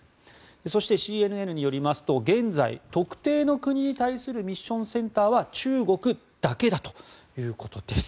そして、ＣＮＮによりますと現在、特定の国に対するミッションセンターは中国だけだということです。